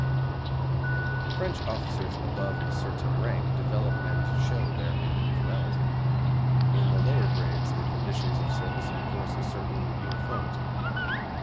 French officers above a certain rank develop and show their own individuality. In the lower grades the conditions of service enforce a certain uniformity.